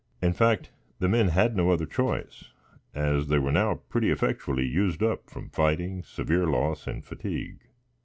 In fact, the men had no other choice, as they were now pretty effectually used up from fighting, severe loss and fatigue.